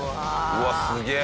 うわっすげえ！